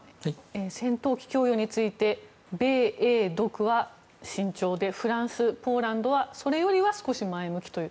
戦闘機供与について米英独は慎重でフランス、ポーランドはそれよりは少し前向きという。